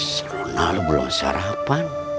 salonah lu belum sarapan